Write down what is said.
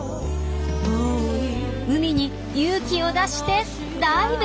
海に勇気を出してダイブ！